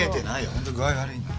ホント具合悪いんだ。